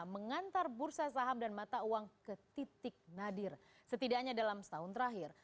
mengantar bursa saham dan mata uang ke titik nadir setidaknya dalam setahun terakhir